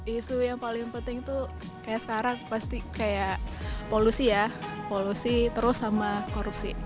isu yang paling penting tuh kayak sekarang pasti kayak polusi ya polusi terus sama korupsi